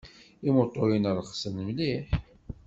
Imuṭuyen rexsen mliḥ.